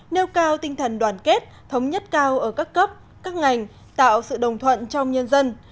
nêu cao tinh thần đoàn kết thống nhất cao ở các cấp các ngành tạo sự đồng thuận trong nhân dân